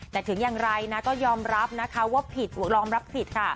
แต่ถึงอย่างไรนะก็ย้อมรับคี่ว่าผิด